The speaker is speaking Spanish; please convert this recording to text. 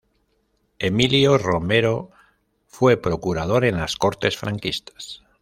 Emilio Romero fue procurador en las Cortes franquistas.